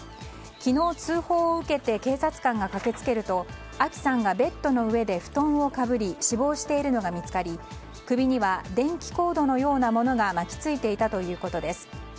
昨日、通報を受けて警察官が駆け付けるとアキさんがベッドの上で布団をかぶり死亡しているのが見つかり首には電気コードのようなものが巻き付いていたということです。